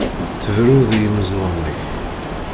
Tberruḍ i yimeẓẓuɣen-ik.